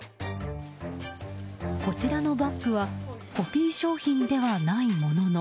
こちらのバッグはコピー商品ではないものの。